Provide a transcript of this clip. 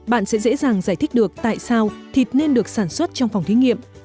bạn sẽ dễ dàng giải thích được tại sao thịt nên được sản xuất trong phòng thí nghiệm